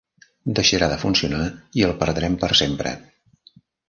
Deixarà de funcionar i el perdrem per sempre.